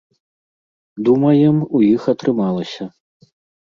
Думаем, у іх атрымалася!